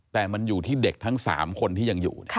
แต่มันอยู่ที่เด็กทั้ง๓คนที่ยังอยู่